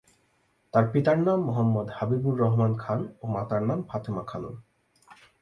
তার পিতার নাম মো: হাবিবুর রহমান খান ও মাতার নাম ফাতেমা খানম।